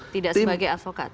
tidak sebagai advokat